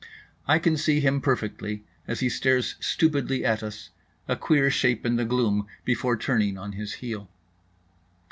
I can see him perfectly as he stares stupidly at us, a queer shape in the gloom, before turning on his heel.